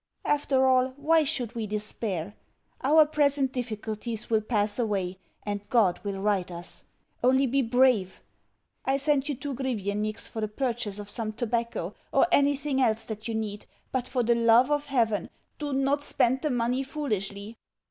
After all, why should we despair? Our present difficulties will pass away, and God will right us. Only be brave. I send you two grivenniks for the purchase of some tobacco or anything else that you need; but, for the love of heaven, do not spend the money foolishly.